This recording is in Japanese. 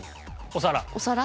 お皿。